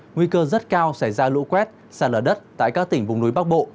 nguy cơ rất cao xảy ra lũ quét sạt lở đất tại các tỉnh vùng núi bắc bộ